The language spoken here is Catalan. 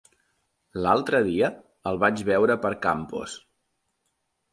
L'altre dia el vaig veure per Campos.